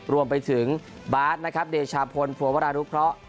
รวมไปถึงบาร์ดนะครับเดชาพลภัวรานุเคราะห์